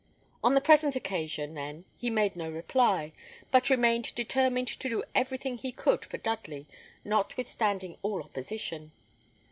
On the present occasion, then, he made no reply, but remained determined to do everything he could for Dudley, notwithstanding all opposition.